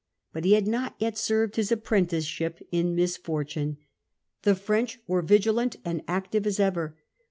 But he had not yet served his apprenticeship in misfortune. The French were vigilant and active as ever.